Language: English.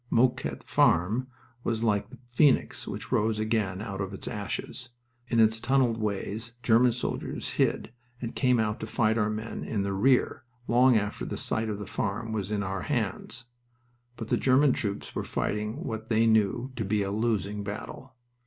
Mouquet Farm was like the phoenix which rose again out of its ashes. In its tunneled ways German soldiers hid and came out to fight our men in the rear long after the site of the farm was in our hands. But the German troops were fighting what they knew to be a losing battle.